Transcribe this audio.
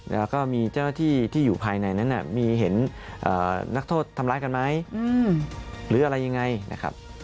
แล้วก็มีเจ้าหน้าที่ที่อยู่ภายในนั้นมีเห็นนักโทษทำร้ายกันไหมหรืออะไรยังไงนะครับ